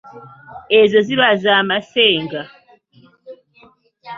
Ezo ziba za masenga.